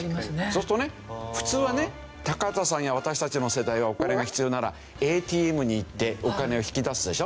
そうするとね普通はね高畑さんや私たちの世代はお金が必要ならＡＴＭに行ってお金を引き出すでしょ？